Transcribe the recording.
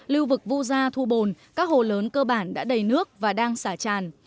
lưu vực vua gia thu bồn các hồ lớn cơ bản đã đầy nước và đang sả tràn